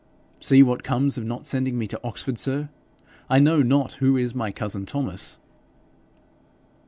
'See what comes of not sending me to Oxford, sir: I know not who is my cousin Thomas.'